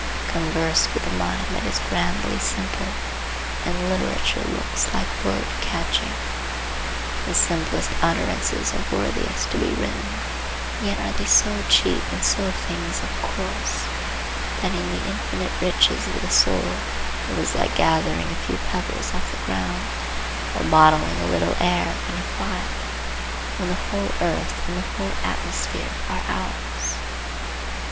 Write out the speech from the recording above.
Converse with a mind that is grandly simple, and literature looks like word catching. The simplest utterances are worthiest to be written, yet are they so cheap and so things of course, that in the infinite riches of the soul it is like gathering a few pebbles off the ground, or bottling a little air in a phial, when the whole earth and the whole atmosphere are ours.